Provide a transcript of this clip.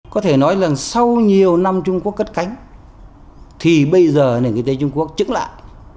có thể nói rằng sau nhiều năm trung quốc cất cánh thì bây giờ nền kinh tế trung quốc trứng lại